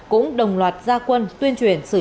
cũng đồng loạt gia quân tuyên truyền